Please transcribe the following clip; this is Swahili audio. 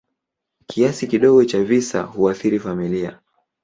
Kiasi kidogo cha visa huathiri familia.